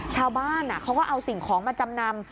ชาวบ้านเขาก็เอาสิ่งของมาจำนำ